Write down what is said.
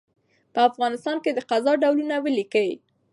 په افغانستان کي د قضاء ډولونه ولیکئ؟